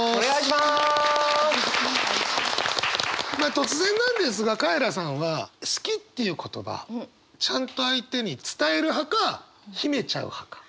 突然なんですがカエラさんは「好き」っていう言葉ちゃんと相手に伝える派か秘めちゃう派か。